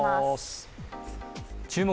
「注目！